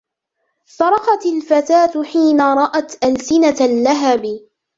صرخت الفتاة حين رأت ألسنة اللهب.